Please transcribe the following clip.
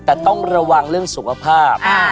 แต่ต้องระวังเรื่องสุขภาพ